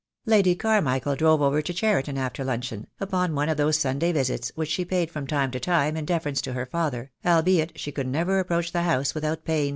Lady Carmichael drove over to Cheriton after luncheon, upon one of those Sunday visits which she paid from time to time in deference to her father, albeit she could never approach the house without pain.